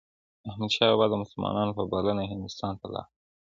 احمدشاه بابا د مسلمانانو په بلنه هندوستان ته لاړ.